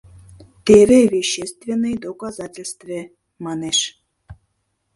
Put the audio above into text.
— Теве вещественный доказательстве, — манеш.